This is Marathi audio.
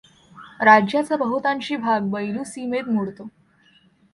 राज्याचा बहुतांशी भाग बयलूसीमेत मोडतो.